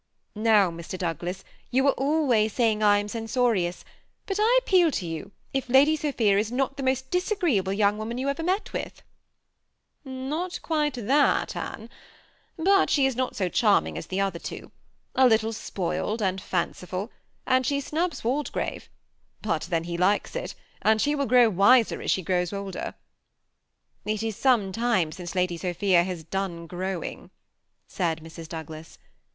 Now, Mr. Douglas, you are always say ing I am censorious, but I appeal to you if Lady Sophia is not the most disagreeable young woman you ever met with ?"'' Not quite that, Anne ; but she is not so charming as the other two : a little spoiled and fanciful^ and she U 242 THE SEBb ATTACHED COUPLE. snobs Waldegrave ; bat then he likes it, and she will grow wiser as she grows older." ^^ It is some time since Lad j Sophia has done grow ing," said Mrs. Douglas.